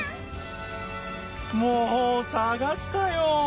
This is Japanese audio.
もうさがしたよ。